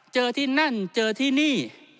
เจอที่นั่นเจอที่นี่